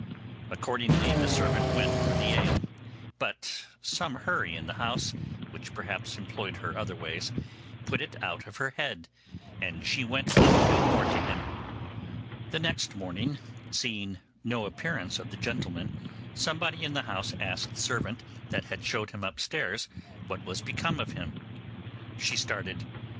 Accordingly the servant went for the ale, but some hurry in the house, which perhaps employed her other ways, put it out of her head, and she went up no more to him. The next morning, seeing no appearance of the gentleman, somebody in the house asked the servant that had showed him upstairs what was become of him. She started.